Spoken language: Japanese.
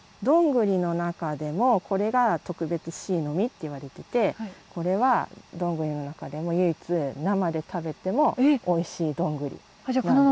どんぐりの中でもこれが特別シイの実っていわれててこれはどんぐりの中でも唯一生で食べてもおいしいどんぐりなんです。